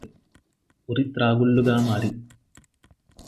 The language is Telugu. ఉరిత్రాళ్ళుగామారి